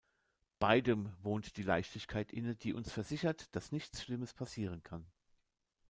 Beidem wohnt die Leichtigkeit inne, die uns versichert, dass nichts Schlimmes passieren kann.